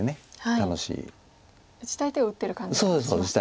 打ちたい手を打ってる感じが。